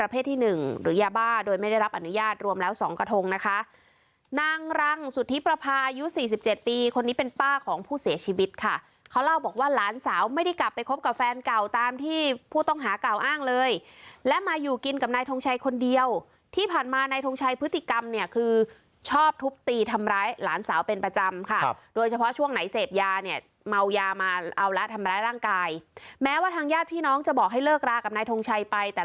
ผู้เสียชีวิตค่ะเขาเล่าบอกว่าหลานสาวไม่ได้กลับไปคบกับแฟนเก่าตามที่ผู้ต้องหาก่าวอ้างเลยและมาอยู่กินกับนายทรงชัยคนเดียวที่ผ่านมานายทรงชัยพฤติกรรมเนี่ยคือชอบทุบตีทำร้ายหลานสาวเป็นประจำค่ะครับโดยเฉพาะช่วงไหนเสพยาเนี่ยเมายามาเอาละทำร้ายร่างกายแม้ว่าทางญาติพี่น้องจะบอกให้เลิ